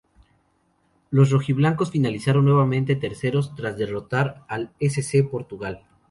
Los rojiblancos finalizaron nuevamente terceros tras derrotar al S. C. Portugal.